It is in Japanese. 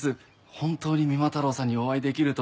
本当に三馬太郎さんにお会いできるとは。